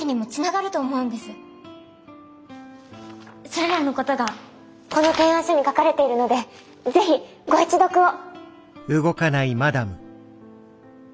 それらのことがこの提案書に書かれているのでぜひご一読を。